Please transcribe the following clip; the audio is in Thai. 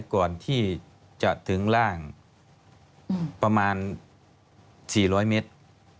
ก่อนที่จะถึงร่างประมาณ๔๐๐เมตร